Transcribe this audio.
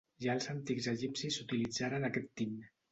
Ja els antics egipcis utilitzaren aquest tint.